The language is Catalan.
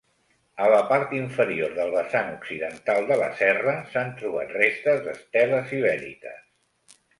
A la part inferior del vessant occidental de la serra s'han trobat restes d'esteles ibèriques.